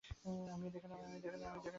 আমিও দেখে নেব।